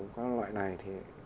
các loại này thì